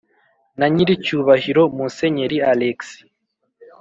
na nyiricyubahiro musenyeri alexis